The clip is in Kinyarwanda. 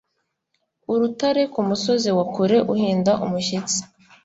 urutare kumusozi wa kure uhinda umushyitsi